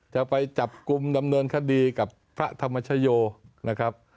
จะไปจับกลุ่มดำเนินคดีกับพระธรรมชโยนะครับ